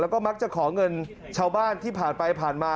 แล้วก็มักจะขอเงินชาวบ้านที่ผ่านไปผ่านมา